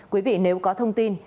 quý vị nếu có thông tin